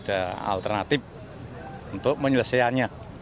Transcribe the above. ada alternatif untuk menyelesaikannya